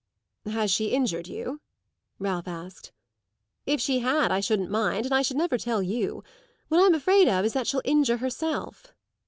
"Has she injured you?" Ralph asked. "If she had I shouldn't mind, and I should never tell you. What I'm afraid of is that she'll injure herself."